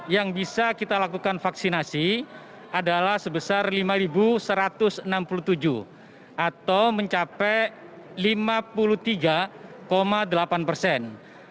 yang bisa kita lakukan vaksinasi adalah sebesar lima satu ratus enam puluh tujuh atau mencapai lima puluh tiga delapan persen